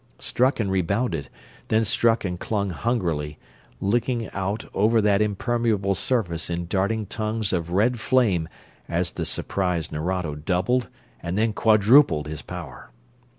Struck and rebounded, then struck and clung hungrily, licking out over that impermeable surface in darting tongues of red flame as the surprised Nerado doubled and then quadrupled his power.